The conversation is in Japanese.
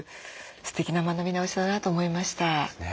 すてきな学び直しだなと思いました。